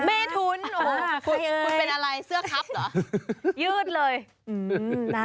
เมทุนโอ้โหคุณเป็นอะไรเสื้อครับเหรอยืดเลยอืมนะ